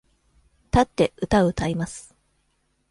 立って、歌を歌います。